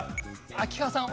秋川さん